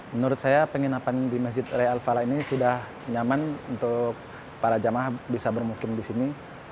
menurut saya penginapan di masjid raya al falah ini sudah nyaman untuk para jamaah bisa bermukim di sini